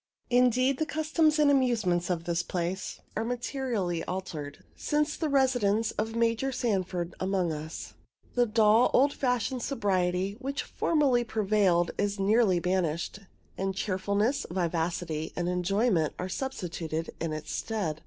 Indeed, the customs and amusements of this place are materially altered since the residence of Major Sanford among us. The dull, old fashioned sobriety which formerly prevailed is nearly banished, and cheerfulness, vivacity, and enjoyment are substituted in its stead.